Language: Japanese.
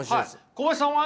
小林さんは？